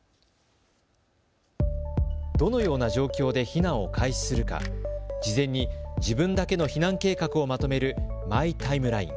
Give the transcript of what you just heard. どのような状況で避難を開始するか、事前に自分だけの避難計画をまとめるマイ・タイムライン。